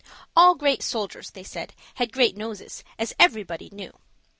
All great soldiers, they said, had great noses, as everybody knew.